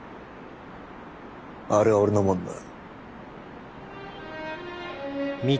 あれは俺のもんだ。